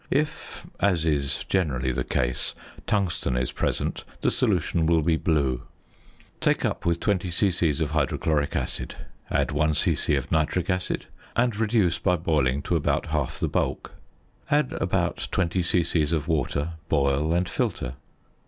If (as is generally the case) tungsten is present the solution will be blue. Take up with 20 c.c. of hydrochloric acid. Add 1 c.c. of nitric acid; and reduce by boiling to about half the bulk. Add about 20 c.c. of water, boil, and filter.